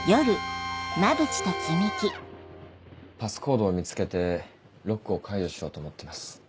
パスコードを見つけてロックを解除しようと思ってます。